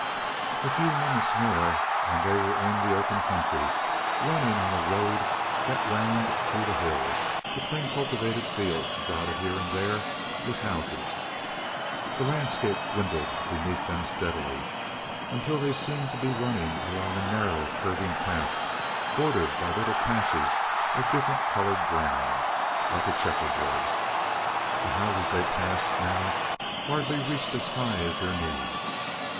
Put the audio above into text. A few moments more and they were in the open country, running on a road that wound through the hills, between cultivated fields dotted here and there with houses. The landscape dwindled beneath them steadily, until they seemed to be running along a narrow, curving path, bordered by little patches of different colored ground, like a checkerboard. The houses they passed now hardly reached as high as their knees.